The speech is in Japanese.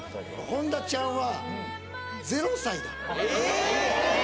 本田ちゃんは０歳だえ！